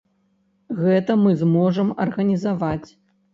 Гэта мы зможам арганізаваць.